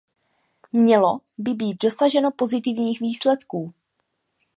Mělo by být dosaženo pozitivních výsledků.